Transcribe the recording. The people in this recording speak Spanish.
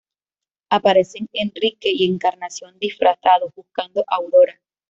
Aparecen Enrique y Encarnación disfrazados, buscando a Aurora.